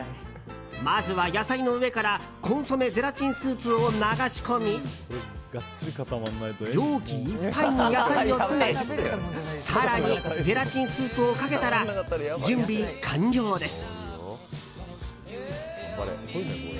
まずは野菜の上からコンソメゼラチンスープを流し込み容器いっぱいに野菜を詰め更にゼラチンスープをかけたら準備完了です。